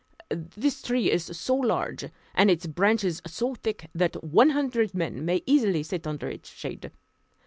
This tree is so large, and its branches so thick, that one hundred men may easily sit under its shade.